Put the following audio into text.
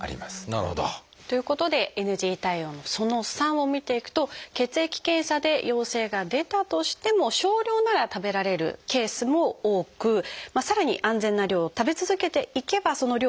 なるほど。ということでＮＧ対応のその３を見ていくと血液検査で陽性が出たとしても少量なら食べられるケースも多くさらに安全な量を食べ続けていけばその量を増やしていくこともできると。